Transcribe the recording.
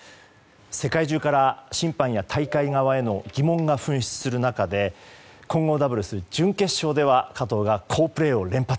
世界中から審判や大会側への疑問が噴出する中で混合ダブルス準決勝では加藤が好プレーを連発。